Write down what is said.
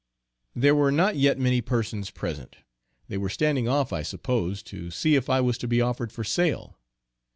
There were not yet many persons present. They were standing off I suppose to see if I was to be offered for sale.